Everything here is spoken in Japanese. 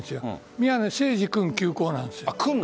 宮根誠司君、休講なんです。